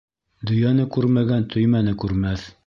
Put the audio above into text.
Дөйәне күрмәгән төймәне күрмәҫ.